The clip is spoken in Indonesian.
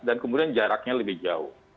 kemudian jaraknya lebih jauh